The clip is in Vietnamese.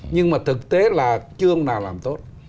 nhưng mà thực tế là chưa ông nào làm tốt